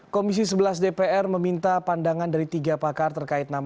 komisi sebelas dpr meminta pandangan dari tiga pakar terkait nama